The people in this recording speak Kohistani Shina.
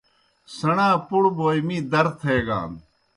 سیْݨا پُڑ بوئے می در تھیگان۔